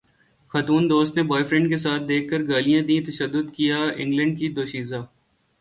خاتون دوست نے بوائے فرینڈ کے ساتھ دیکھ کر گالیاں دیں تشدد کیا انگلینڈ کی دوشیزہ